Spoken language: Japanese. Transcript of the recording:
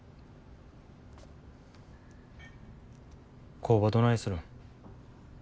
工場どないするん。